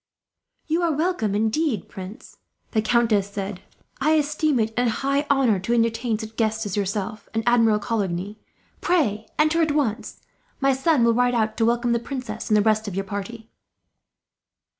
"You are welcome, indeed, prince," the countess said. "I esteem it a high honour to entertain such guests as yourself and Admiral Coligny. Pray enter at once. My son will ride out to welcome the princess, and the rest of your party."